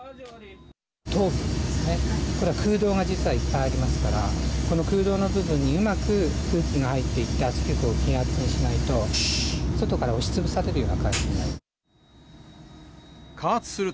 頭部ですね、これは空洞がいっぱいありますから、この空洞の部分にうまく空気を入れて圧力を均圧にしないと、外から押しつぶされるような感じになる。